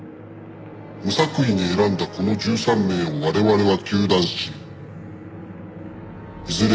無作為に選んだこの１３名を我々は糾弾しいずれ